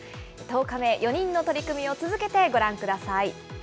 １０日目、４人の取組を続けてご覧ください。